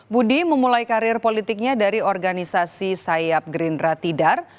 budi memulai karir politiknya dari organisasi sayap gerindra tidar